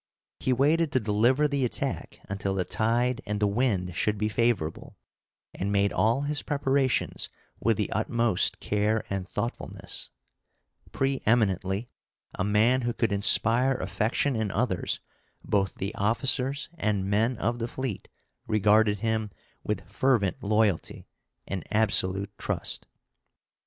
He waited to deliver the attack until the tide and the wind should be favorable, and made all his preparations with the utmost care and thoughtfulness. Preeminently a man who could inspire affection in others, both the officers and men of the fleet regarded him with fervent loyalty and absolute trust.